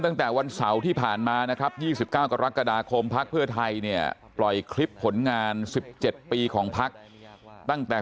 ตั้งแต่วันเสาร์ที่ผ่านมานะครับ๒๙กรกฎาคมพักเพื่อไทยเนี่ยปล่อยคลิปผลงาน๑๗ปีของพักตั้งแต่